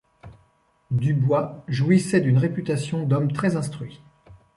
Dubois jouissait d’une réputation d’homme très instruit.